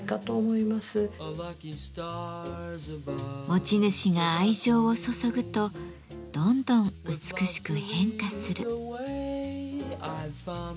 持ち主が愛情を注ぐとどんどん美しく変化する。